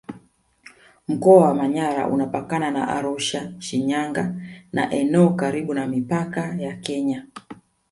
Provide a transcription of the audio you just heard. Mkoa wa Manyara unapakana na Arusha Shinyanga na eneo karibu na mipaka ya Kenya